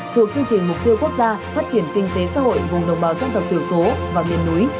thuộc chương trình mục tiêu quốc gia phát triển kinh tế xã hội vùng đồng bào dân tộc thiểu số và miền núi